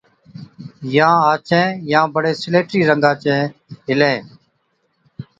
يان آڇين، يان بڙي سليٽِي رنگا چين هِلين۔